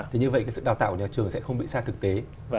thì như vậy sự đào tạo của nhà trường sẽ không bị xa thực tế